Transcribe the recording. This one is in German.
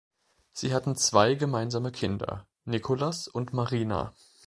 Sie hatten zwei gemeinsame Kinder: Nicolas und Marina.